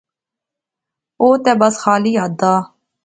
او تہ بس خالی ہتھ دا